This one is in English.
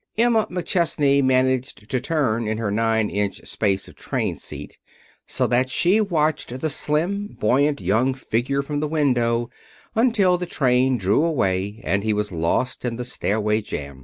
Emma McChesney managed to turn in her nine inch space of train seat so that she watched the slim, buoyant young figure from the window until the train drew away and he was lost in the stairway jam.